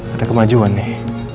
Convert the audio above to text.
ada kemajuan nih